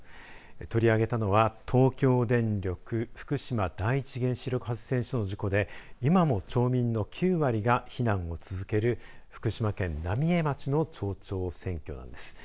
取り上げたのは東京電力福島第一原子力発電所の事故で今も町民の９割が避難を続ける福島県浪江町の町長選挙なんです。